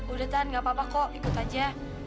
udah tan gak apa apa kok ikut aja